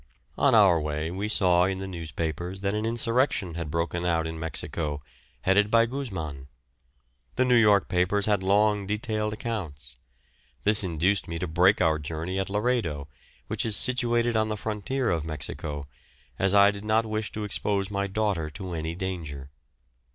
On our way we saw in the newspapers that an insurrection had broken out in Mexico, headed by Gusman. The New York papers had long detailed accounts. This induced me to break our journey at Laredo, which is situated on the frontier of Mexico, as I did not wish to expose my daughter to any danger.